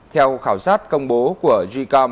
theo khảo sát được công bố vào cuối tháng bốn bởi canta